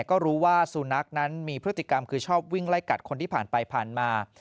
ก็รู้ว่าสุนัขนั้นมีพฤติกรรมคือชอบวิ่งไล่กัดคนที่ผ่านไปผ่านมา